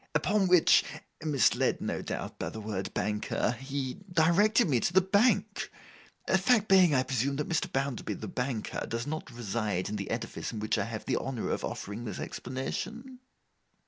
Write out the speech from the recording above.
Upon which, misled no doubt by the word Banker, he directed me to the Bank. Fact being, I presume, that Mr. Bounderby the Banker does not reside in the edifice in which I have the honour of offering this explanation?